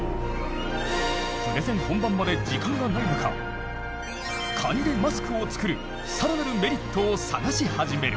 プレゼン本番まで時間がない中カニでマスクを作るさらなるメリットを探し始める。